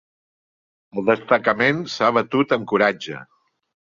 El destacament s'ha batut amb coratge.